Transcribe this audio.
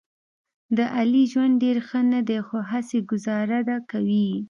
د علي ژوند ډېر ښه نه دی، خو هسې ګوزاره ده کوي یې.